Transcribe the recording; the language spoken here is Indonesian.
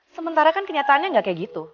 sementara kan kenyataannya nggak kayak gitu